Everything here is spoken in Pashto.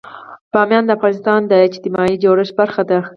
بامیان د افغانستان د اجتماعي جوړښت برخه ده.